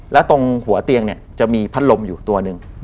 แล้วตรงหัวเตียงเนี่ยจะมีพัดลมอยู่ตัวหนึ่ง